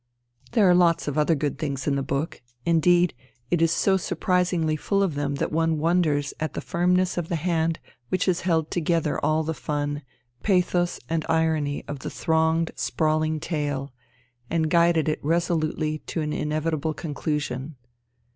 There are lots of other good things in the book ; indeed, it is so surprisingly full of them that one wonders at the firmness of the hand which has held together all the fun, pathos and irony of the thronged sprawling tale, and guided it resolutely to an inevitable conclusion.